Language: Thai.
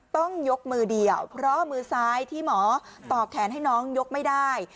ต้องยกมือเดี่ยวเพราะมือซ้ายที่หมอต่อแขนให้น้องยกไม่ได้